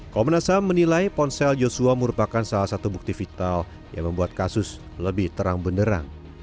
komnas ham menilai ponsel yosua merupakan salah satu bukti vital yang membuat kasus lebih terang benderang